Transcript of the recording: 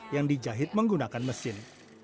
yang dijahit menggunakan mesin